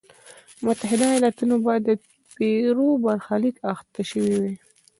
متحده ایالتونه به د پیرو برخلیک اخته شوی وای.